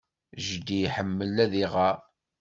Jeddi iḥemmel ad iɣer.